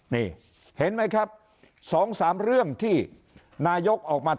นี่เห็นไหมครับ๒๓เรื่องที่นายกออกมา